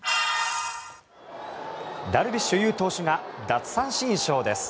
ダルビッシュ有投手が奪三振ショーです。